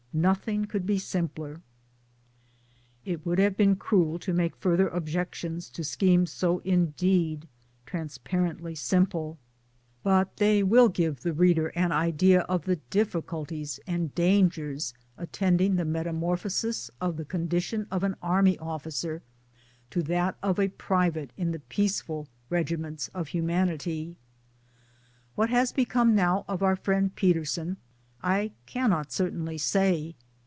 Nothing could be simpler." It would have been cruel to make further objec tions to schemes so indeed transparently simple. But :i74 MY DAYS AND DREAMS they will give the reader an idea of the difficulties and dangers attending the metamorphosis from the con dition of an army officer to that of a private in the peaceful regiments of humanity. What has become now of our friend Peterson I cannot certainly say.